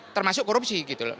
termasuk korupsi gitu loh